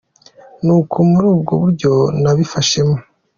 Ni uko muri ubwo buryo nabifashemo.